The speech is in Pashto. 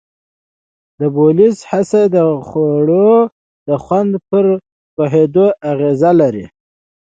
د بویولو حس د خوړو د خوند پر پوهېدو اغیز لري.